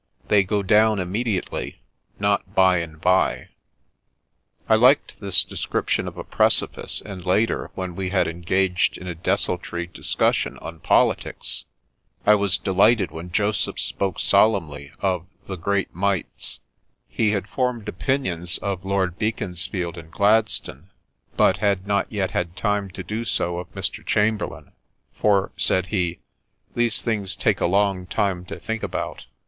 They go down immediately, not by and bye." I liked this description of a precipice, and later, when we had engaged in a desultory discussion on politics, I was delighted when Joseph spoke sol emnly of the " Great Mights." He had formed opinions of Lord Beaconsfield and Gladstone, but had not yet had time to do so of Mr. Chamberlain, for, said he, " these things take a long time to think about."